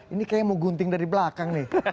ini kayaknya mau gunting dari belakang nih